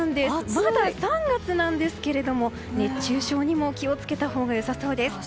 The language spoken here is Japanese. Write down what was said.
まだ３月なんですが熱中症にも気をつけたほうがよさそうです。